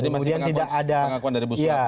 jadi masih pengakuan dari bu suratmi ya